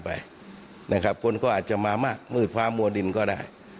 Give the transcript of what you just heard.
อาจจะมามากมืดฟ้ามัวดินก็ได้